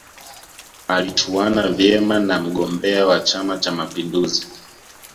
alichuana vyema na mgombea wa chama cha mapinduzi